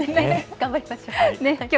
頑張りましょう。